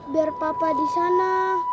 biar papa di sana